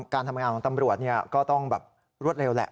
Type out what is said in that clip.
การทำงานของตำรวจก็ต้องแบบรวดเร็วแหละ